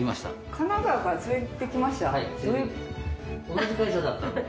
同じ会社だったんです。